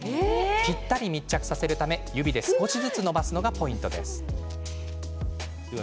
ぴったり密着させるため指で少しずつ伸ばすのがポイントです。